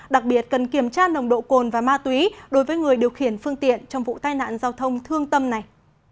đặc biệt cần kiểm tra nồng độ cồn và ma túy đối với người điều khiển phương tiện trong vụ tai nạn giao thông thương tâm này